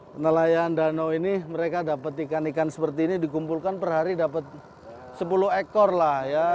nelayan danau ini mereka dapat ikan ikan seperti ini dikumpulkan per hari dapat sepuluh ekor lah ya